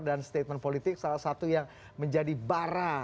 dan statement politik salah satu yang menjadi barra